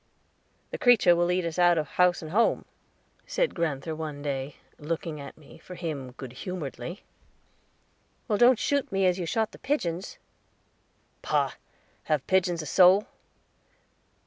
"The creature will eat us out of house and home," said grand'ther one day, looking at me, for him good humoredly. "Well, don't shoot me, as you shot the pigeons." "Pah, have pigeons a soul?"